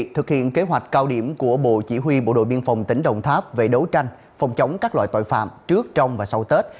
thực hiện kế hoạch cao điểm của bộ chỉ huy bộ đội biên phòng tỉnh đồng tháp về đấu tranh phòng chống các loại tội phạm trước trong và sau tết